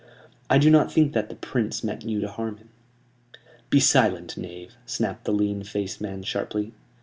"I do not think that the Prince meant you to harm him." "Be silent, knave!" snapped the lean faced man, sharply.